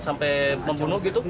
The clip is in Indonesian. sampai membunuh gitu